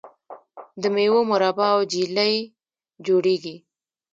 د میوو مربا او جیلی جوړیږي.